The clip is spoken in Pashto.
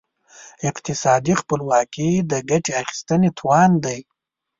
اقتصادي خپلواکي د ګټې اخیستنې توان دی.